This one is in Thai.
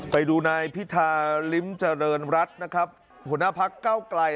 ไปดูนายพิทาริมเจริญรัฐหนแผลพลักษณ์เก้าไกล